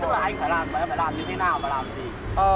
tức là anh phải làm như thế nào và làm gì